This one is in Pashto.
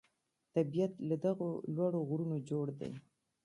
طبیعت له دغو لوړو غرونو جوړ دی.